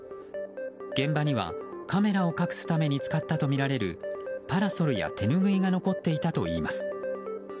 現場にはカメラを隠すために使ったとみられるパラソルや手ぬぐいが残っていたといいます。